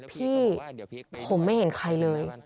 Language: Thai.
พี่ผมไม่เห็นใครเลย